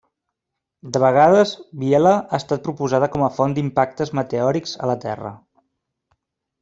De vegades, Biela ha estat proposada com a font d'impactes meteòrics a la Terra.